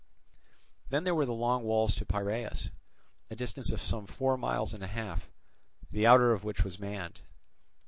Then there were the Long Walls to Piraeus, a distance of some four miles and a half, the outer of which was manned.